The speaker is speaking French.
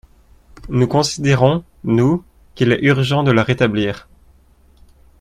Nous considérons, nous, qu’il est urgent de la rétablir.